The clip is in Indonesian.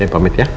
ya pamit ya